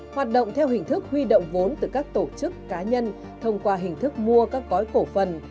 hoạt động theo hình thức huy động vốn từ các tổ chức cá nhân thông qua hình thức mua các gói cổ phần